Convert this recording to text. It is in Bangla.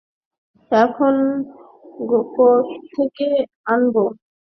এখন, কোত্থেকে আনব?